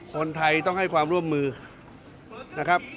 คนไทยต้องให้ความร่วมมือนะครับ